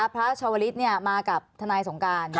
ชาวลิศมากับทนายสงการ